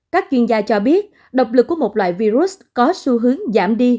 các chuyên gia cho biết độc lực của một loại virus có xu hướng giảm đi